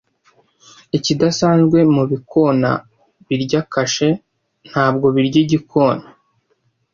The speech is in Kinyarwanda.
Ikidasanzwe mubikona birya kashe Ntabwo birya igikona